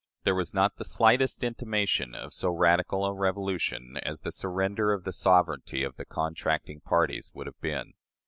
There was not the slightest intimation of so radical a revolution as the surrender of the sovereignty of the contracting parties would have been.